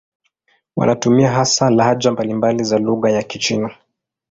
Wanatumia hasa lahaja mbalimbali za lugha ya Kichina.